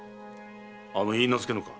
あの許嫁のか？